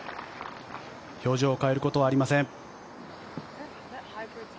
表情を変えることはありません。